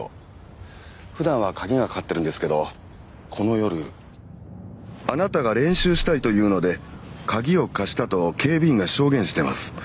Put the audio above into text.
普段は鍵がかかってるんですけどこの夜。あなたが練習したいと言うので鍵を貸したと警備員が証言してます。